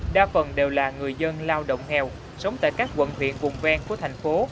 đa phần đều là người dân lao động nghèo sống tại các quận huyện vùng ven của thành phố